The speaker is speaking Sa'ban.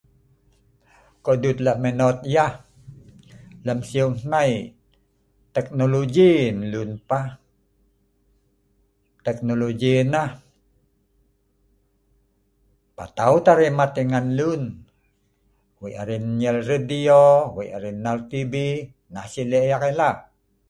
Ko'duet la' minot yeh lem sieu hnai, teknoloji nluen pah. Teknoloji nah patau tah arai mat yeh ngan luen. Wei arai nnyel radio, wei arai nnal tv, nah si' le' eek ai lah.